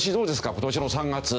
今年の３月。